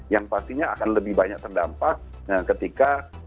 yang pastinya akan lebih banyak terdampak ketika